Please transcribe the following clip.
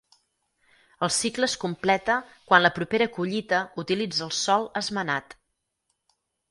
El cicle es completa quan la propera collita utilitza el sòl esmenat.